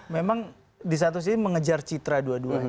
memang di satu sisi mengejar citra dua duanya